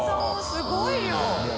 すごいね。